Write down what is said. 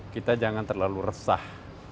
kita jangan terlalu resah